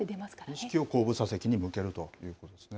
意識を後部座席に向けるということですね。